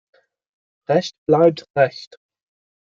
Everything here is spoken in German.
Recht bleibt Recht!